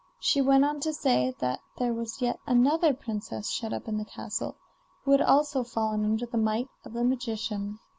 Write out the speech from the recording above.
She went on to say that there was yet another princess shut up in the castle, who had also fallen under the might of the magician.